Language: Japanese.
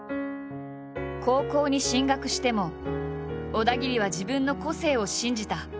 高校に進学しても小田切は自分の個性を信じた。